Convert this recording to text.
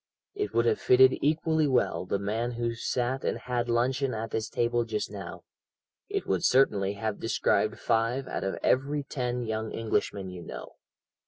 It would have fitted equally well the man who sat and had luncheon at this table just now; it would certainly have described five out of every ten young Englishmen you know.